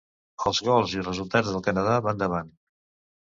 Els gols i resultats del Canadà van davant.